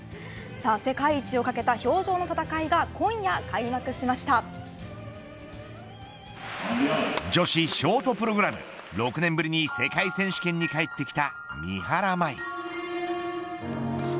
世界一を懸けた女子ショートプログラム６年ぶりに世界選手権に帰ってきた三原舞依。